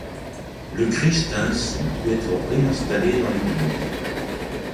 Le Christ a ainsi pu être réinstallé dans l'église.